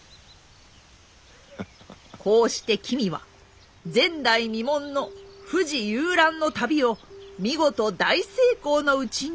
こうして君は前代未聞の富士遊覧の旅を見事大成功のうちに成し遂げたのでございます。